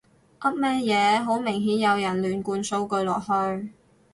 噏乜嘢，好明顯有人亂灌數據落去